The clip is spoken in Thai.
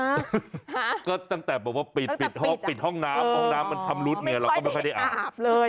ค่ะก็ตั้งแต่บอกว่าปิดห้องน้ำห้องน้ำมันชำรุดเนื้อเราก็ไม่ค่อยได้อ่าป